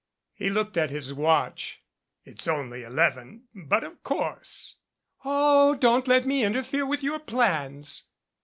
He looked at his watch. "It's only eleven, but of course ' "Oh, don't let me interfere with your plans."